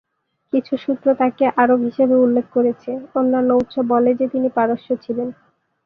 কিছু সূত্র তাকে আরব হিসাবে উল্লেখ করেছে, অন্যান্য উৎস বলে যে তিনি পারস্য ছিলেন।